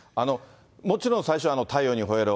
もちろん最初は太陽にほえろ！